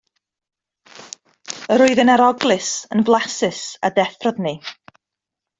Yr oedd yn aroglus, yn flasus, a deffrodd ni.